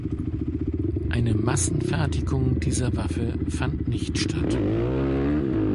Eine Massenfertigung dieser Waffe fand nicht statt.